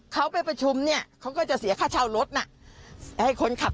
เขาไปประชุมเนี่ยเขาก็จะเสียค่าเช่ารถน่ะให้คนขับ